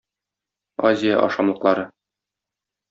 Азия ашамлыклары